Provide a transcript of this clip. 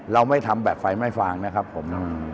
เราไม่ทำแบบไฟไม่ฟางนะครับผม